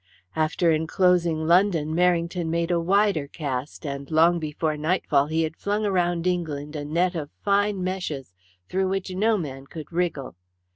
After enclosing London, Merrington made a wider cast, and long before nightfall he had flung around England a net of fine meshes through which no man could wriggle.